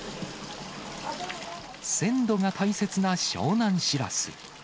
鮮度が大切な湘南しらす。